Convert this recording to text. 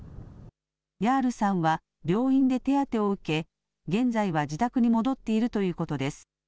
ヤールさんは病院で手当てを受け現在は自宅に戻っているということです。